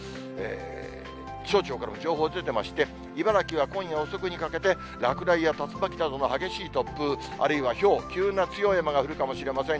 気象庁からも情報が出てまして、茨城は今夜遅くにかけて、落雷や竜巻などの激しい突風、あるいはひょう、急な強い雨が降るかもしれません。